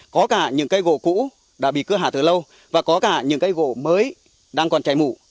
có cả những cây gỗ cũ đã bị cưa hạ từ lâu và có cả những cây gỗ mới đang còn cháy mủ